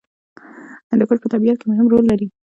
هندوکش په طبیعت کې مهم رول لري.